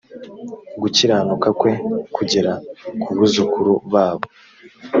gukiranuka kwe kugera ku buzukuru babo